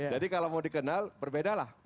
jadi kalau mau dikenal perbedalah